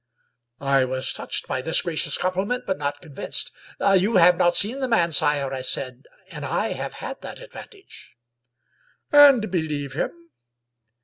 I was touched by this gracious compliment, but not con vinced. " You have not seen the man, sire," I said, *' and I have had that advantage." "And believe him?"